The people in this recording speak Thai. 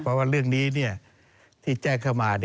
เพราะว่าเรื่องนี้ที่แจ้งเข้ามา